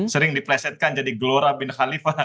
sering diplesetkan jadi gelora bin khalifah